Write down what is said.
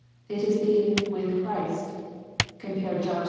It is being <* with Christ.'' (Compare John xiv.